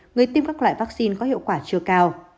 người tiêm các loại vaccine có hiệu quả chưa cao